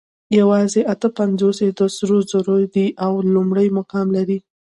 یواځې اته پنځوس یې د سرو زرو دي او لومړی مقام لري